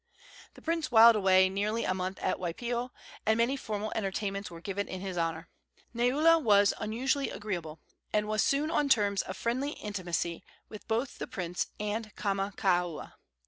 The prince whiled away nearly a month at Waipio, and many formal entertainments were given in his honor. Neula was unusually agreeable, and was soon on terms of friendly intimacy both with the prince and Kamakaua.